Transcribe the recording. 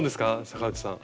坂内さん。